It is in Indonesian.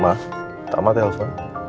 ma tak mati elsa